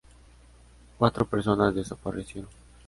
Cuatro personas desaparecieron.